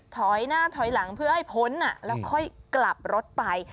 ถอยหน้าถอยหลังเพื่อให้พ้นแล้วค่อยกลับรถไป